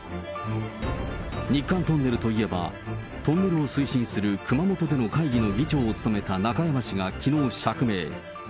日韓トンネルといえば、トンネルを推進する熊本での会議の議長を務めた中山氏がきのう、釈明。